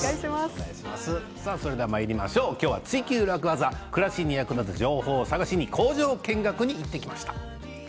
今日は「ツイＱ楽ワザ」暮らしに役立つ情報を探しに工場見学に行ってきました。